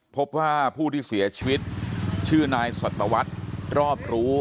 พบว่าผู้ที่เสียชีวิตชื่อนายสัตวรรษรอบรู้